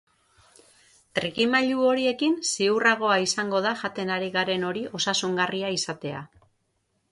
Trikimailu horiekin, ziurragoa izango da jaten ari garen hori osasungarria izatea.